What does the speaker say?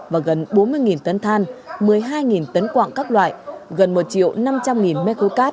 và gần bốn mươi tấn than một mươi hai tấn quạng các loại gần một triệu năm trăm linh m ba cát